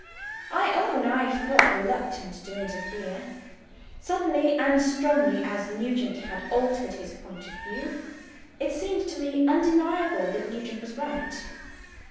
I own I felt reluctant to interfere. Suddenly and strangely as Nugent had altered his point of view, it seemed to me undeniable that Nugent was right.